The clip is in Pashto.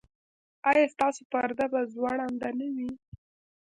ایا ستاسو پرده به ځوړنده نه وي؟